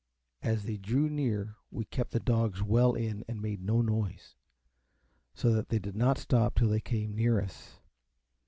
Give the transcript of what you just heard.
As they drew near we kept the dogs well in, and made no noise, so that they did not stop till they came near us.